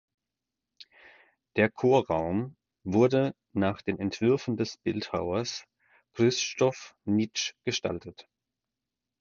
Der Chorraum wurde nach den Entwürfen des Bildhauers Krzysztof Nitsch gestaltet.